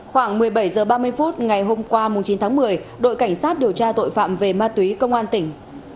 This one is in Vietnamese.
khoảng một mươi bảy h ba mươi phút ngày hôm qua chín tháng một mươi đội cảnh sát điều tra tội phạm về ma túy công an tỉnh